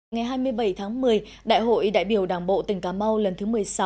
ngày hai mươi bảy tháng một mươi đại hội đại biểu đảng bộ tỉnh cà mau lần thứ một mươi sáu